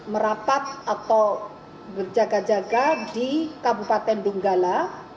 merapat atau berjaga jaga di kabupaten dunggala